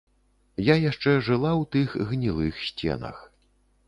Я яшчэ жыла ў тых гнілых сценах.